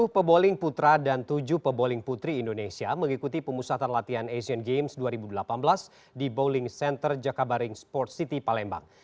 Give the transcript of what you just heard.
sepuluh peboling putra dan tujuh peboling putri indonesia mengikuti pemusatan latihan asian games dua ribu delapan belas di bowling center jakabaring sport city palembang